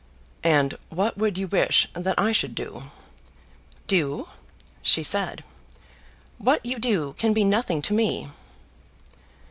"And what would you wish that I should do?" "Do?" she said. "What you do can be nothing to me."